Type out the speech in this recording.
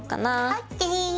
ＯＫ。